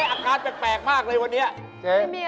อาการแปลกมากเลยวันนี้